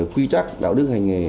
quy tắc đạo đức hành nghề